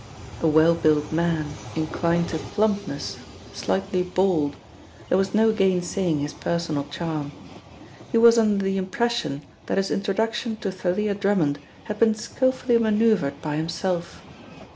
A well built man inclined to plumpness, slightly bald, there was no gainsaying his personal charm. He was under the impression that his introduction to Thalia Drummond had been skillfully manoeuvred by himself.